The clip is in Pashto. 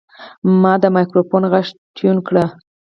ما د مایکروفون غږ ټیون کړ.